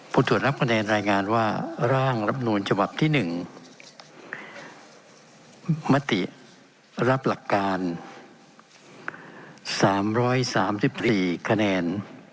ตรวจรับคะแนนรายงานว่าร่างรับนูลฉบับที่๑มติรับหลักการ๓๓๔คะแนน